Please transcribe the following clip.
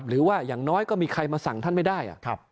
หรือว่าอย่างน้อยก็มีใครมาสั่งท่านไม่ได้